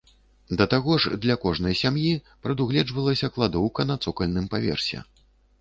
Да таго ж для кожнай сям'і прадугледжвалася кладоўка на цокальным паверсе.